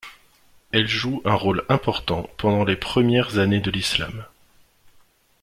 Elle joue un rôle important pendant les premières années de l'islam.